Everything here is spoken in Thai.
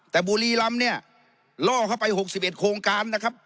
แต่บุรีรำเนี่ยล่อเข้าไป๖๑โครงการนะครับ